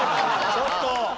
ちょっと！